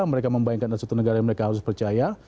mereka membayangkan ada satu negara yang mereka harus percaya